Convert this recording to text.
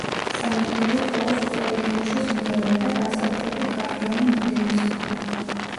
სამაგიეროდ კვლავ სუსტად ითამაშეს უნგრელმა და განსაკუთრებით ქართველმა მანდილოსნებმა.